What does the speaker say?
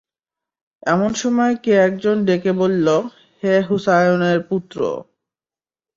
এমন সময় কে একজন ডেকে বলল, হে হুসায়নের পুত্র!